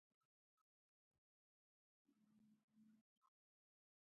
لا په جنگ د تخت او بخت کی، زمونږ لوبه ختمه نده